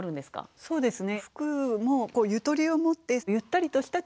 そうですね。